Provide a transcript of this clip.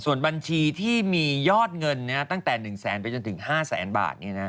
ส่วนบัญชีที่มียอดเงินตั้งแต่๑แสนไปจนถึง๕แสนบาท